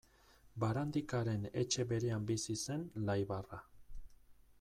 Barandikaren etxe berean bizi zen Laibarra.